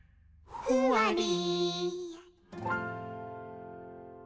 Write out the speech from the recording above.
「ふわり」